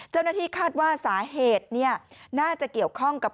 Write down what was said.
เจ้าหน้าที่คาดว่าสาเหตุน่าจะเกี่ยวข้องกับ